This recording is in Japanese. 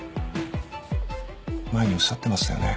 前におっしゃってましたよね。